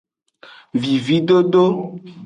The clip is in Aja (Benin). Vividodo.